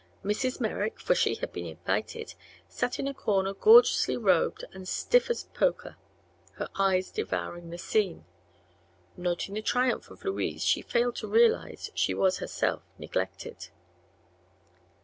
Mrs. Merrick for she had been invited sat in a corner gorgeously robed and stiff as a poker, her eyes devouring the scene. Noting the triumph of Louise she failed to realize she was herself neglected.